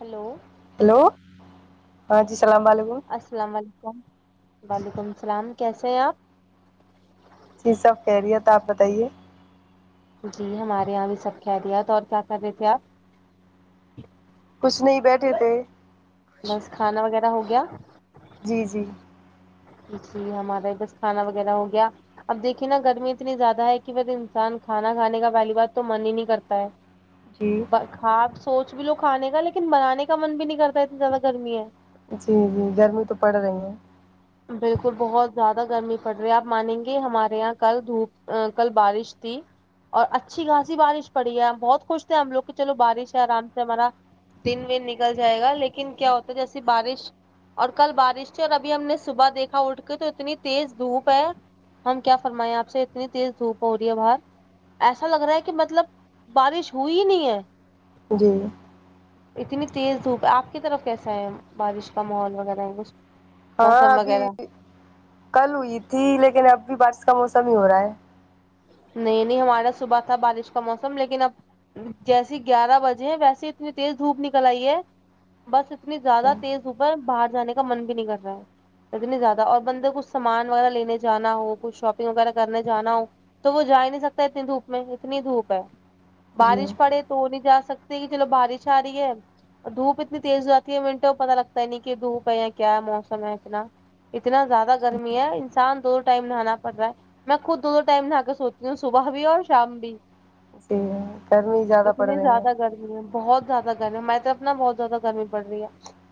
hello hello ہاں جی السلام علیکم السلام علیکم وعلیکم السلام کیسے ہیں آپ جی سب خیریت آپ بتائیے جی ہمارے یہاں بھی سب خیریت ہے اور کیا کر رہے تھے آپ کچھ نہیں بیٹھے تھے بس کھانا وغیرہ ہو گیا جی جی جی جی ہمارا بس کھانا وغیرہ ہو گیا اب دیکھیے نہ گرمی اتنی زیادہ ہے کہ بس انسان کھانا کھانے کا پہلی بات تو من ہی نہیں کرتا ہے جی جی ہاں آپ سوچ بھی لو کھانے کا لیکن بنانے کا من بھی نہیں کرتا اتنی زیادہ گرمی ہے جی جی گرمی تو پڑ رہی ہے بالکل بہت زیادہ گرمی پڑ رہی ہے آپ مانیں گے ہمارے یہاں کل دھوپ کل بارش تھی اور اچھی خھاسی بارش پڑی ہے ہم بہت خوش تھے ہم لوگ کہ چلو بارش ہے آرام سے ہمارا دن ون نکل جائے گا لیکن کیا ہوتا ہے جیسی بارش اور کل بارش تھی اور ابھی ہم نے صبح دیکھا اٹھ کے تو اتنی تیز دھوپ ہے ہم کیا فرمائے آپ سے اتنی تیز دھوپ ہو رہی ہے باہر ایسا لگ رہا ہے کہ مطلب بارش ہوئی ہی نہیں ہے جی اتنی تیز دھوپ ہے آپ کی طرف کیسا ہے بارش کا ماحول وغیرہ ہے کچھ ہاں ابھی کل ہوئی تھی لیکن اب بھی بارش کا موسم ہی ہو رہا ہے نہیں نہیں ہمارا صبح تھا بارش کا موسم لیکن اب جیسی گیارہ بجے ہیں ویسے اتنی تیز دھوپ نکل آئی ہے بس اتنی زیادہ تیز دھوپ ہے باہر جانے کا من بھی نہیں کر رہا ہے اتنی زیادہ اور بندے کچھ سامان وغیرہ لینے جانا ہو کچھ شاپنگ وغیرہ کرنے جانا ہو تو وہ جا ہی نہیں سکتا اتنی دھوپ میں اتنی دھوپ ہے جی بارش پڑے تو وہ نہیں جا سکتے کہ چلو بارش آ رہی ہے اور دھوپ اتنی تیز ہو جاتی ہے منٹوں پتہ لگتا نہیں کی دھوپ ہے یا کیا موسم ہے اتنا اتنا زیادہ گرمی ہے انسان دو ٹائم نہانا پڑ رہا ہے میں خود دودو ٹائم نہا تی ہوں صبح بھی اور شام بھی جی گرمی زیادہ پڑ اتنی رہی ہے زیادہ گر می ہے بہت زیادہ گرمی ہے میں تو اپنا بہت زیادہ گرمی پڑ رہی ہے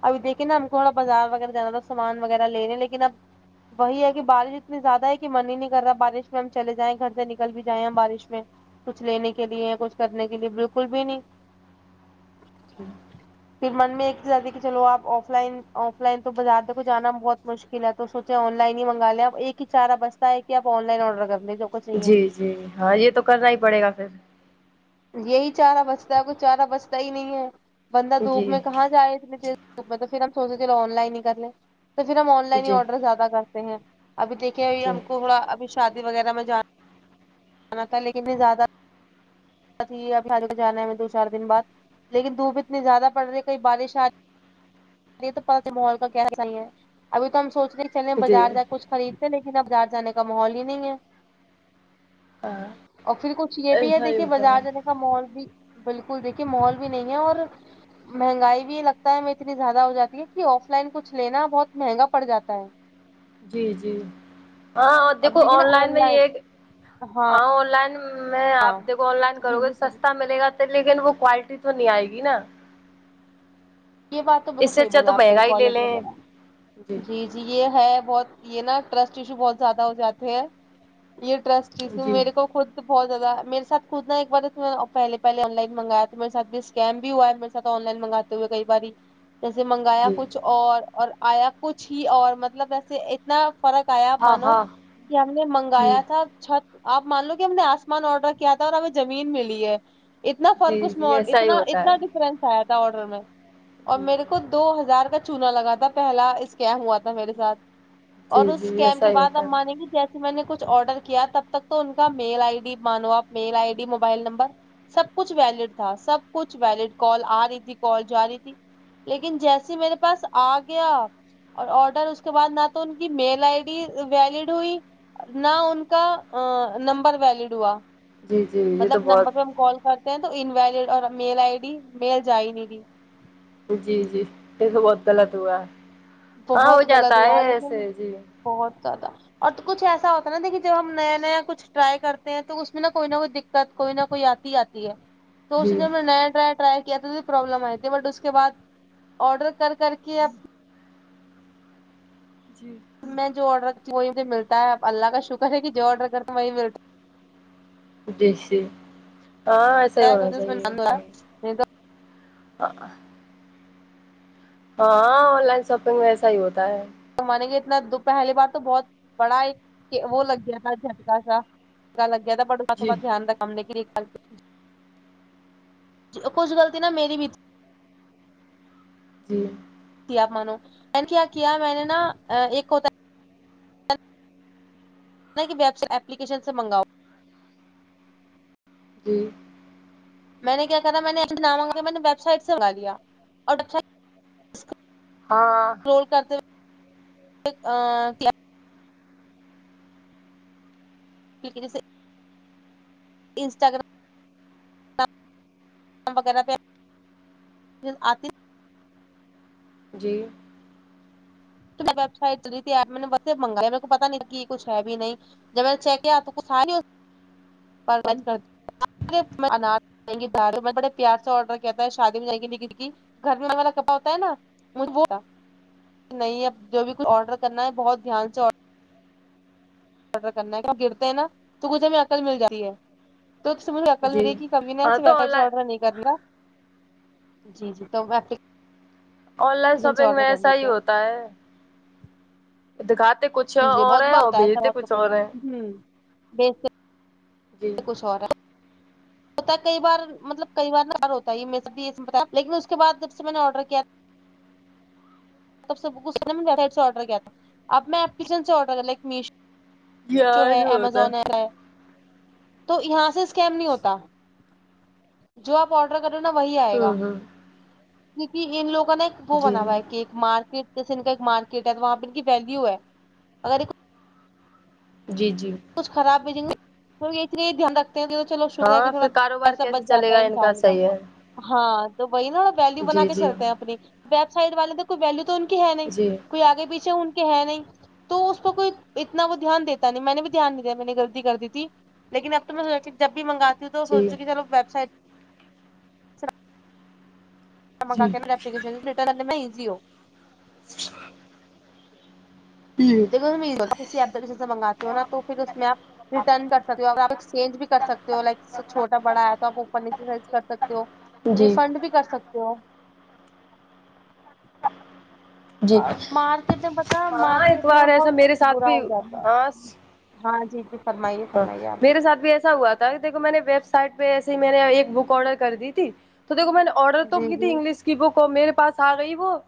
اب دیکھے نا ہم کو تھوڑا بازار وغیرہ جانا تھا سامان وغیرہ لےنے لیکن اب وہی ہے کہ بارش اتنی زیادہ ہے کے من ہی نہیں کر رہا بارش میں ہم چلے جائیں گھر سے نکل بھی جائیں ہیں بارش میں کچھ لینے کے لیے کچھ کرنے کے لیے بالکل بھی نہیں اچھا پھر من میں ایک چیز آتی ہے کہ چلو آپ آف لائن آف لائن تو بازار کو جانا بہت مشکل ہے تو سوچے آن لائن ہی منگا لے ایک ہی چارا بس کہ آپ آن لائن آڈر کر لے جو کچھ چاہیے جی جی ہاں یہ تو کرنا ہی پڑے گا پھر یہی چارا بچتا ہے کچھ چارا بچتا ہی نہیں ہے بندہ دھوپ جی میں کہاں جائے اتنے تیز میں تو پھر ہم سوچے چلو آن لائن ہی کرلیں تو پھر ہم آن لائن ہی جی آرڈر زیادہ کرتے ہیں ابھی دیکھ ئیے جی ہم کو تھوڑا ابھی شادی وغیرہ میں جاننا تھا لیکن پھر زیادہ ابھی [unintelligible] جانا ہے مجھے چار دن بعد لیکن دھوپ اتنی زیادہ پڑ رہی ہے کہیں بارش آے تمہیں تو پتہ ماحول کا کیا صحیح ہے ابھی تو ہم سوچ رے چلیں جی بازار جاکے کچھ خریدتے لیکن اب بازار جانے کا ماحول ہی نہیں ہے ہاں اور پھر کچھ یہ بھی ہے ایسا ہی دیکھیے ہوتا ہے بازار جانے ماحول بھی بالکل دیکھیے ماحول بھی نہیں ہے اور مہنگائی بھی لگتا ہے میں اتنی زیادہ ہو جاتی ہے کہ آف لائن کچھ لینا بہت مہنگا پڑ جاتا ہے جی جی ہاں اب دیکھو دیکھیے نا آن لائن میں یہ کہ ہاں آن لائن میں آپ ہاں دیکھو آن لائن جی کرو گے جی سستا ملے گا لیکن وہ کوالٹی تو نہیں آئے گی نا یہ بات تو اس بالکل سے صحیح اچھا تو بولا آپ کے یہ مہنگا ہی لے کالج لیں وغیرہ جی جی جی یہ ہے بہت یہ نا ٹرسٹ ایشو بہت زیادہ ہو جاتے ہیں یہ ٹرسٹ یشو جی میرے کو خود بہت زیادہ میرے ساتھ خود نہ ایک بار جیسے میں نے پہلے پہلے آن لائن منگایا تو میرے ساتھ سکم بھی ہوا ہے آن لائن منگاتے ہوئے گئی جیسے منگایا جی کچھ اور اور آیا کچھ ہی اور مطلب ویسے ایک اتنا فرق آیا ہاں مانو ہاں کہ ہم نے جی منگایا تھا چھت آپ مان لو کہ ہم نے آسمان آڈر کیا تھا اور ہمیں زمین ملی ہے اتنا جی فرق اس میں جی اور ایسا ہی اتنا ہوتا ہے اتنا ڈفرنس آیا تھا آڈر میں اور جی میرے جی کو دو ہزار کا چونا لگا تھا پہلا اسکم ہوا تھا میرے ساتھ اور جی اس جی اسکم ایسا کے ہی بعد ہوتا آپ مانیں ہے گی جیسے میں نے کچھ آڈر کیا تب تک تو ان کا میل آئی ڈی مانو آپ mail I D mobile number سب کچھ ویلڈ تھا سب کچھ ویلڈ کال آ رہی تھی کال جا رہی لیکن جیسے میرے پاس آ گیا اور آڈر اس کے بعد نہ تو ان کی میل آئی ڈی ویلڈ ہوئی نہ ان کا ا نمبر ویلڈ ہوا جی جی یہ مطلب تو بہت نمبر پہ ہم کال کرتے ہیں تو انویلڈ اور میل آئی ڈی میل جا ہی نہیں دی جی جی تو بہت غلط ہوا ہاں ہو بہت جاتا غلط ہے ہوا لیکن ایسے جی بہت زیادہ اور تو کچھ ایسا ہوتا نا دیکھئے جب ہم نیا نیا کچھ ٹرائی کرتے ہیں تو اس میں نہ کوئی نہ کوئی دق قت کوئی نہ کوئی آتی آتی ہے تو اس سے جی جب میں نیا نیا ٹرائی کیا تھا پرابلم آئے تھی بٹ اس کے بعد آرڈر کر کر کے اب جی میں جو آرڈر کرتی ہوں وہی مجھے ملتا ہے اب اللہ کا شکر ہے کہ جو آرڈر کرتی ہوں وہی ملتا جی جی ہاں ایسا ہی ہے ہونا کچھ اس میں چاہیے ہاں نہیں آ ہا ہاں آن لائن شاپنگ میں ایسا ہی ہوتا ہے تو میں نے کہ اتنا دکھ پہلی بار تو بہت بڑا یہ وہ لگ گیا تھا جھٹکا سا کا لگ گیا تھا بٹ جی وقت دھیان رکھا ہم نے کی [unintelligible] اور کچھ غلطی نہ میری بھی تھی جی آپ مانو کل کیا کیا میں نے نا آ ایک ہوتا ہے نہیں کہ ویب سے اپلیکیشن سے منگاؤ جی میں نے کیا کرا میں نے ایپ سے نا منگا کے میں نے ویبسائٹ سے منگا لگا لیا اور ویبسائٹ ہاں رول کرتے ہوئے آں [inaudible] ٹھیک ہے جیسے انسٹاگرام [inaudible] وغیرہ پہ آتے جی تو میں ویب سائٹ چلی تھی ایپ میں نے وسے منگایا میرے کو پتا نہیں کہ یہ کچھ ہے بھی نہیں جب میں نے چیک کیا تو کچھ تھا نہیں آن لائن میں انار گی دالو میں بڑے پیار سے آڈر کیا تھا ہے شادی میں جائیں دگت کی گھر میں ہمارا کپا ہوتا ہے نا وہ ہو گیا نہیں اب جو بھی کچھ آرڈر کرنا ہے بہت دھیان سے آرڈر کرنا ہے گرتے ہیں نا تو کچھ ہمیں عقل مل جاتی ہے تو اس سے مجھے عقل جی ملی کی کبھی نہ ہاں ایسے تو باہر آن سے لائن آرڈر نہیں کر نا جی تو ایپلی آن لائن شاپنگ میں ایسا ہی لیتے ہیں ہوتا ہے دکھاتے کچھ جی اور بہت ہیں بار اور ہوتا ہے ایسا بھیجتے بہت کچھ اور ہیں مطلب جی [inaudible] کچھ اور ہے ہوتا ہے کئی بار مطلب کئی بار ن ہار ہوتا ہے یہ میں سب بھی یہ بتا لیکن اس کے بعد جب سے میں نے آرڈر کیا ب سب آڈر کیا تھا اب میں ایپلیکیشن سے آڈر لائک جی میشو جو ہے آج ہوتا امزون ایپ ہے تو یہاں سے اسکیم نہیں ہوتا جو آپ آرڈر کر رہے نا وہی آئے گا ہوں ہوں کیونکہ ان لوگوں نے وہ جی بنا ہوا ہے کہ مارکیٹ جیسے ان کا ایک مارکیٹ ہے تو وہاں پہ ان کی ویلو ہے اگر جی جی کچھ خراب ملنگی کیونکہ دھیان رکھ تو چلو شکر ہے کہ ہاں تھوڑا پھر کاروبار پیسہ بچ کیسے چلے جاتا گا ہے ان انسان کا صحیح ہے ہاں تو وہی نا ویلو بنا جی کے جی چلتے ہیں اپنی ویب سائٹ والے تو کوئی ویلو تو کے ہے نہیں جی کوئی آگے پیچھے ان کے ہے نہیں تو اس پر کوئی اتنا وہ دھیان دیتا نہیں میں نے بھی دھیان نہیں دیا میں نے غلطی کر دی تھی لیکن اب تو میں سوچ جب بھی منگاتی ہوں تو جی سوچتی کہ چلو ویب سائٹ منگا جی کے نا ایپلیکیشن رٹرن اتنا ایزی ہو [inaudible] تی ہے امید ہو ایپلیکیشن سے مگاتے ہو نا تو پھر اس میں آپ ریٹرن کر سکتے ہو اگر آپ ایکسچینج بھی کر سکتے ہو لائک س چھوٹا بڑا آیا تھا اوپر نیچے سائز کر سکتے ہو جی ریفنڈ بھی کر سکتے ہو جی اور مارکیٹ میں پتا ہاں ایک مارکیٹ میں بار ایسا بہت میرے ساتھ برا بھی ہو جاتا ہے ہاں ہاں جی جی فرمائیے ہاں فرمائیے آپ میرے ساتھ بھی ایسا ہوا دیکھو میں نے ویب سائٹ پہ ایسے ہی میں نے ایک بک آرڈر کر دی تھی تو دیکھو میں نے آرڈر تو جی کی تھی جی انگلش کی بک اور میرے پاس آ گئی وہ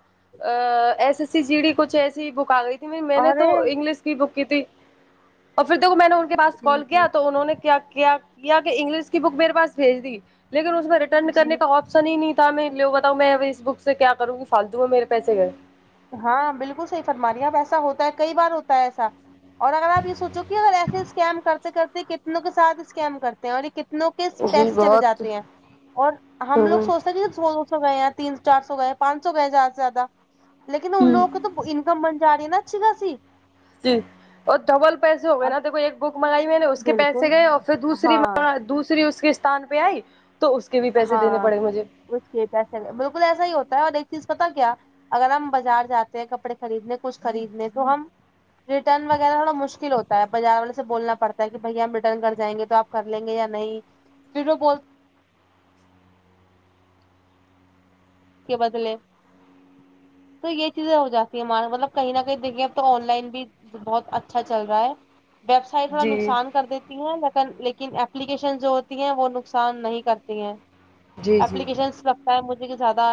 S S C G D کچھ ایسی بک آ گئی تھی میں نے ارے تو انگلش کی بک کی تھی اور پھر دیکھو میں نے پاس جی کال کیا جی تو انہوں نے کیا کیا کیا کہ انگلش کی بک میرے پاس بھیج دی لیکن اس میں رٹرن جی کرنے کا آپ شن ہی نہیں تھا میں نے بتاؤ میں اس بک سے کیا کروں گی فالتو میں میرے پیسے گئے ہاں بالکل صحیح فرما رہی اپ ایسا ہوتا ہے کئی بار ہوتا ہے ایسا اور اگر آپ یہ سوچو کہ اگر ایسے اسکیم کرتے کرتے کتنوں کے ساتھ اسکیم کرتے اور یہ کتنوں کے جی پیسے چلے بہت جاتے ہیں اور ہم لوگ ہ سوچ دو سو گئے ہیں تین چار سو گئے ہیں پانچ سو گئے زیادہ سے زیادہ لیکن ان ہ لوگ تو انکم بن جا رہی ہے نہ اچھی خاصی جی اور ڈبل پیسے ہو گئے اب نا تو کوئی ایک بک منگائی میں نے اس کے بالکل پیسے گئے اور پھر دوسری ہاں دوسری اس کے استھان میں آئی تو اس کے بھی پیسے دینے ہاں پڑے مجھے اس کے پیسے بالکل ایسا ہی ہوتا ہے اور ایک چیز پتا کیا اگر ہم بازار جاتے ہیں کپڑے خریدنے کچھ خریدنے تو ہم ریٹرن وغیرہ تھوڑا مشکل ہوتا ہے بازار والے سے بولنا پڑتا ہے کہ بھیا ہم ریٹرن کر جائیے تو آپ کر لیں گے یا نہیں پھر وہ بول کے بدلے تو یہ چیزیں ہو جاتی ہیں ہمار مطلب کہیں نہ کہیں دیکھیے اب تو آن لائن بھی بہت اچھا چل رہا ہے ویبسایڈ میں جی نقصان کر دیتی ہے لیکن اپلیکیشن جو ہوتی ہیں وہ نقصان نہیں کرتی ہیں جی جی اپلیکیشنس ک مجے زیادہ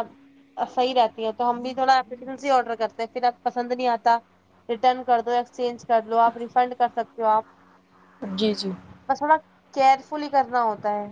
صحیح رہتی ہے تو ہم بھی تھوڑا اپیک ہی آرڈر کرتے ہیں پھر اب پسند نہیں آتا ریٹرن کر دو ایکسچینج کر لو آپ ریفنڈ کر سکتے ہو آپ جی جی بس تھوڑا کیئرفلی کرنا ہوتا ہے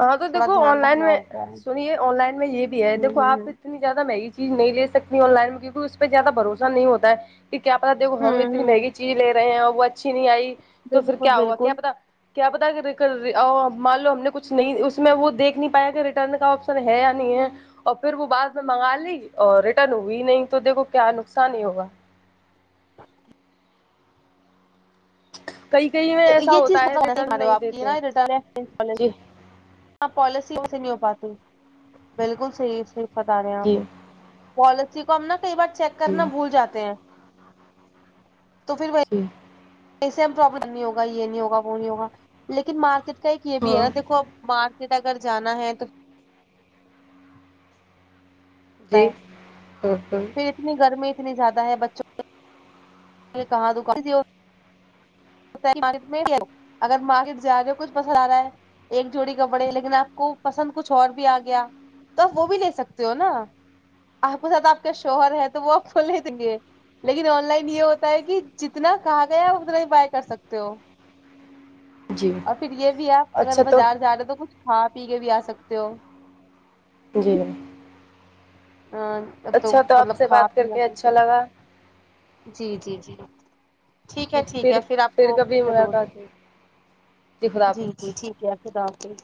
ہاں تو تھوڑا دیکھو آن دھیان لائن رکھنا میں ہوتا ہے سنیئے آن لائن میں یہ بھی ہے ہ دیکھو آپ اتنی زیادہ مہنگی چیز نہیں لے سکتی آن لائن میں کیونکہ اس پہ زیادہ بھروسہ نہیں ہوتا ہے کہ کیا پتا دیکھو ہ ہ ہم اتنی ہ ہ مہنگی چیز لے رہے ہیں وہ اچھی نہیں آئی تو پھر بالکل کیا ہوا کیا بالکل پتا کیا بتا کر رہ مان لو ہم نے کچھ نہیں اس میں وہ دیکھ نہیں پایا کہ ریٹرن کا آپشن ہے یا نہیں ہے اور پھر وہ بعد میں منگا لی اور ریٹرن ہوئی نہیں تو دیکھو کیا نقصان ہی ہوگا کئی کہیں میں ایسا یہ چیز ہوتا ہے مطلب ہونا چاہیے ریٹرن ہمارے نہیں آپ کی دیتے نا ہیں ریٹرن ایکسچینج والے جی ہاں پالیسی سے نہیں ہو پاتی بالکل صحیح صحیح بتا رہے ہیں آپ جی پالیسی کو ہم نا کئی بار چیک جی کرنا بھول جاتے ہیں تو پھر وہی جی ایسے میں پرابلم نہیں ہوگ یہ نہیں ہوگا وہ نہیں ہوگا لیکن مارکیٹ کا ایک یہ بھی ہے ہاں نا دیکھو اب سیدہ اگر جانا ہے تو ہوتا ہے [unintelligible] پھر اتنی گرمی اتنی زیادہ ہے بچوں کہاں دکان مارکیٹ میں ہی اگر مارکیٹ جا رہی ہو کچھ پسند آ رہا ہے ایک جوڑی کا پڑے لیکن آپ کو پسند کچھ اور بھی آ گیا تو آپ وہ بھی لے سکتے ہو نا آپ ساتھ آپ کا شوہر ہے تو وہ آپ کو لے دیں گے لیکن آن لائن یہ ہوتا ہے کہ جتنا کہا گیا اتنا ہی بائی کر سکتے ہو جی اور پھر یہ بھی ہے آپ اگر اچھا تو بازار جا رہے تو کچھ کھا پی کے بھی آ سکتے ہو جی ا اب تو اچھا آپ مطلب سے کھا بات کر پیا کے پے اچھا لگا جی جی جی ٹھیک ہے ٹھیک ہے پھر آپ کو کبھی حدور ملاقات ہوگی خدا جی جی حافظ ٹھیک ہے خدا حافظ